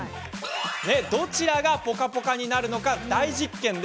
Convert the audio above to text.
どちらがぽかぽかになるのか大実験。